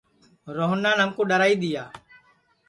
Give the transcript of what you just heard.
روہنان ہمکُو ڈؔرائی دؔیا